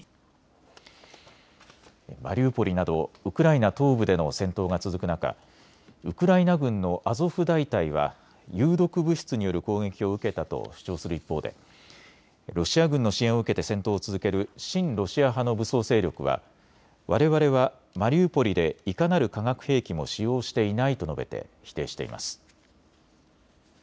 マリウポリなどウクライナ東部での戦闘が続く中、ウクライナ軍のアゾフ大隊は有毒物質による攻撃を受けたと主張する一方でロシア軍の支援を受けて戦闘を続ける親ロシア派の武装勢力はわれわれはマリウポリでいかなる化学兵器も使用していないと述べて否定しています。